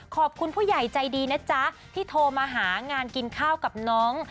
ขอบคุณผู้ใหญ่ใจดีนะจ๊ะที่โทรมาหางานกินข้าวกับน้อง